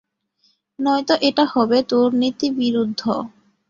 নয়তো এটা হবে তোর নীতিবিরুদ্ধ!